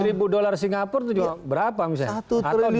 kalau bagi uang seribu dolar singapura itu berapa misalnya atau dp misalnya